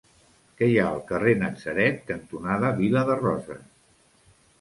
Què hi ha al carrer Natzaret cantonada Vila de Roses?